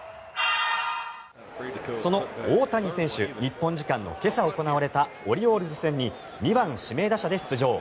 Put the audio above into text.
その大谷選手日本時間の今朝行われたオリオールズ戦に２番指名打者で出場。